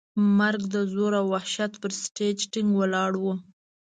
مرګ د زور او وحشت پر سټېج ټینګ ولاړ و.